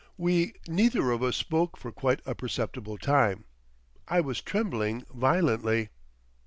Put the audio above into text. We neither of us spoke for quite a perceptible time. I was trembling violently.